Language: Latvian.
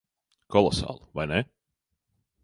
Kolosāli. Vai ne?